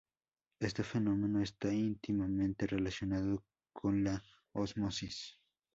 Este fenómeno está íntimamente relacionado con la ósmosis.